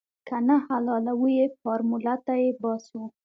که نه حلالوو يې فارموله تې باسو.